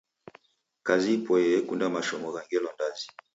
Kazi ipoiye yekunda mashomo gha ngelo ndazi